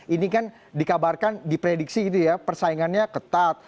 ini kan dikabarkan diprediksi gitu ya persaingannya ketat